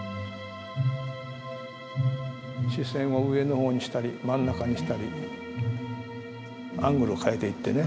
視線を上の方にしたり真ん中にしたりアングルを変えていってね。